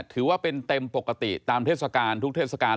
ถือว่าเป็นเต็มปกติตามเทศกาลทุกเทศกาล